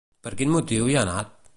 Per quin motiu hi ha anat?